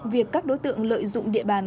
việc các đối tượng lợi dụng địa bàn